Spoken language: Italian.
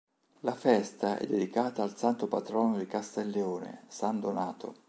La festa è dedicata al santo patrono di Castelleone, san Donato.